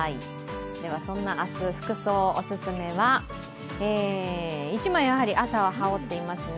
ではそんな明日、服装、おすすめは１枚やはり朝は羽織っていますね。